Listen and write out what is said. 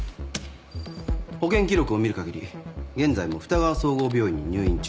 保険記録を見るかぎり現在も双川総合病院に入院中。